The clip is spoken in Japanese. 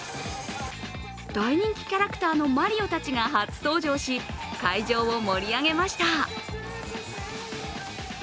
大人気キャラクターのマリオたちが初登場し、会場を盛り上げました